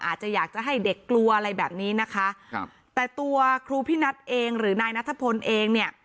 อาจจะอยากจะให้เด็กกลัวอะไรแบบนี้นะคะครับแต่ตัวครูพี่นัทเองหรือนายนัทพลเองเนี่ย